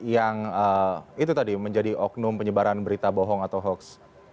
yang itu tadi menjadi oknum penyebaran berita bohong atau hoax